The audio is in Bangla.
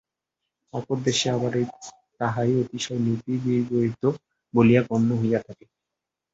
অপর দেশে আবার তাহাই অতিশয় নীতিবিগর্হিত বলিয়া গণ্য হইয়া থাকে।